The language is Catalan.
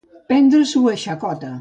Prendre-s'ho a xacota.